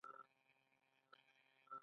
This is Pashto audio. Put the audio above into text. دا پل د زاینده رود پر سر دی.